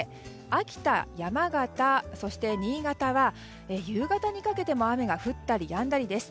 秋田、山形、そして新潟は夕方にかけても雨が降ったりやんだりです。